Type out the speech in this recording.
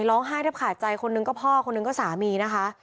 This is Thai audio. ร้องไห้แทบขาดใจคนนึงก็พ่อคนหนึ่งก็สามีนะคะ